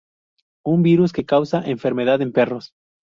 Un virus que causa enfermedad en perros.